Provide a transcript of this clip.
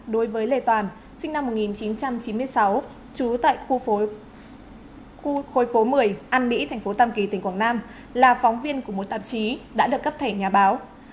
đối với lê toàn sinh năm một nghìn chín trăm chín mươi sáu trú tại khu phố một mươi an mỹ thành phố tam kỳ tỉnh quảng nam là phóng viên của một tạp chí đã được cấp thẻ nhà báo